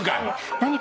何か。